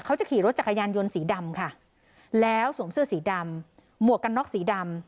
เขาจะขี่รถจักรยานยนต์สีดำค่ะแล้วสวมเสื้อสีดำหมวกกันน็อกสีดำ